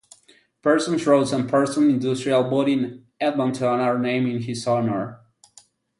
Parsons Road and Parsons Industrial, both in Edmonton, are named in his honour.